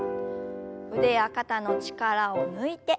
腕や肩の力を抜いて。